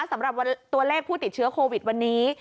สำหรับตัวเลขผู้ติดเชื้อโควิดวันนี้